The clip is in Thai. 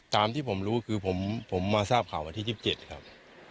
ตามที่ผมรู้คือผมมาทราบข่าววันที่๒๗ครับ